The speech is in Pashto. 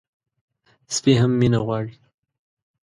سپي هم مینه غواړي.